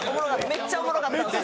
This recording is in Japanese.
めっちゃおもろかったんですよ。